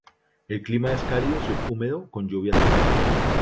El clima es cálido subhúmedo con lluvias en verano.